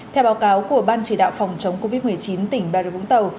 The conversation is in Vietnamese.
theo báo cáo của ban chỉ đạo phòng chống covid một mươi chín tỉnh bà rịa vũng tàu